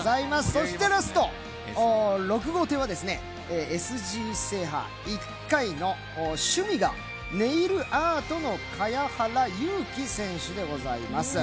そしてラスト、６号艇はＳＧ制覇１回の趣味がネイルアートの茅原悠紀選手でございます。